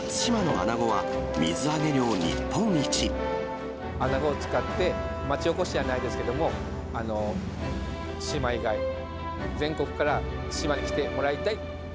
アナゴを使って町おこしじゃないですけど、対馬以外、全国から対馬に来てもらいたい。